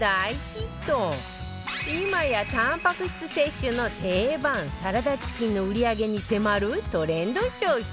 今やタンパク質摂取の定番サラダチキンの売り上げに迫るトレンド商品